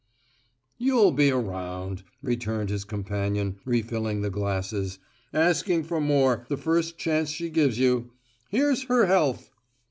"You'll be around," returned his companion, refilling the glasses, "asking for more, the first chance she gives you. Here's her health!"